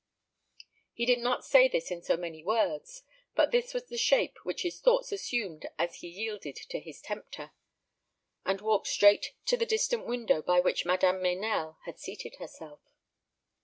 He did not say this in so many words; but this was the shape which his thoughts assumed as he yielded to the tempter, and walked straight to the distant window by which Madame Meynell had seated herself.